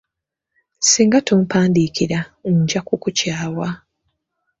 Singa tompandiikira, nja kukukyawa.